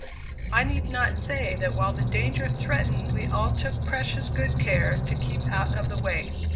I need not say that while the danger threatened we all took precious good care to keep out of the way.